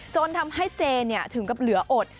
จนทำให้เจถึงกับเหลืออด